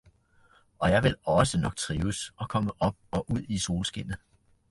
og jeg vil også nok trives og komme op og ud i solskinnet!